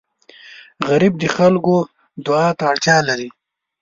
غریب د خلکو دعا ته اړتیا لري